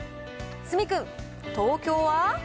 角君、東京は？